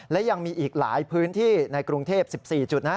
และยังมีอีกหลายพื้นที่ในกรุงเทพ๑๔จุดนะ